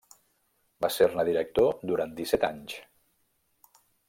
Va ser-ne director durant disset anys.